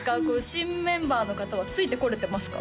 新メンバーの方はついてこれてますか？